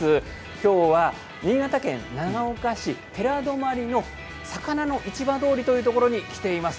今日は新潟県長岡市寺泊の魚の市場通りというところに来ています。